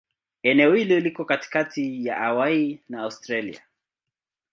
Eneo hili liko katikati ya Hawaii na Australia.